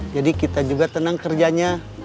jadi kita juga tenang kerjanya